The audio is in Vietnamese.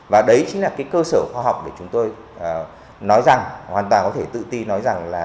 và đấy chính là cái cơ sở khoa học để chúng tôi nói rằng hoàn toàn có thể tự ti nói rằng là